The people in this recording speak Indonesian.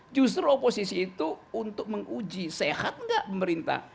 justru oposisi itu untuk menguji sehat nggak pemerintah